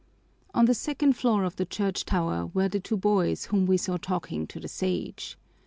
On the second floor of the church tower were the two boys whom we saw talking to the Sage.